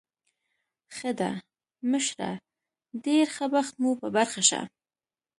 ښه ده، مشره، ډېر ښه بخت مو په برخه شه.